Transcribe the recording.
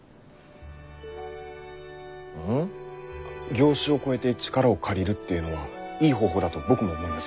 業種を超えて力を借りるっていうのはいい方法だと僕も思います。